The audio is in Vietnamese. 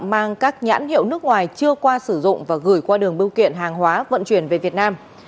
đoạn hiệu nước ngoài chưa qua sử dụng và gửi qua đường bưu kiện hàng hóa vận chuyển về việt nam